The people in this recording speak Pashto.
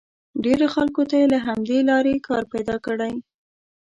ډېرو خلکو ته یې له همدې لارې کار پیدا کړی.